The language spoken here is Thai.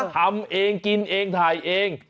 ทำเองกินเองถ่ายเอง